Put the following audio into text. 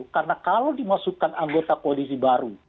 karena kalau dimasukkan anggota koalisi baru